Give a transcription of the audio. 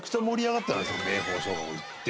明峰小学校行って。